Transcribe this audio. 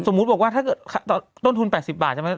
สมมุติว่าว่าถ้าเกิดต้นทุน๘๐บาทใช่มั้ย